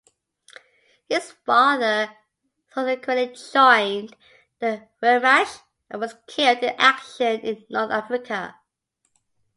His father subsequently joined the Wehrmacht and was killed in action in North Africa.